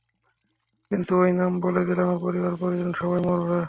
কিন্তু ঐ নাম বলে দিলে, আমার পরিবার-পরিজন সবাই মরবে।